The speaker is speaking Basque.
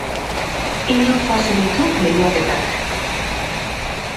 Hiru fase ditu lehiaketak.